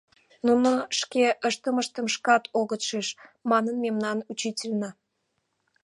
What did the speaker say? «Нуно шке ыштымыштым шкат огыт шиж» манын мемнан учитылна!..